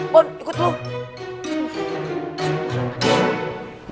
bon ikut dulu